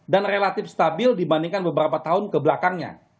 dan relatif stabil dibandingkan beberapa tahun kebelakangnya